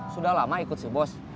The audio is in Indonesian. sudah lama ikut si bos